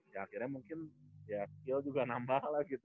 ya akhirnya mungkin ya skill juga nambah lah gitu